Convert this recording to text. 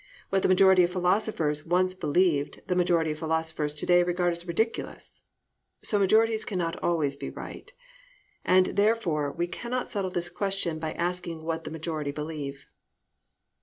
What the majority of philosophers once believed, the majority of philosophers to day regard as ridiculous. So majorities cannot always be right. And, therefore, we cannot settle this question by asking what the majority believe.